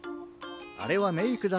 あれはメイクだよ。